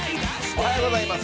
おはようございます。